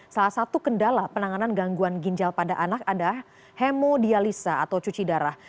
salah satu kendala penanganan gangguan ginjal pada anak adalah hemodialisa atau cuci darah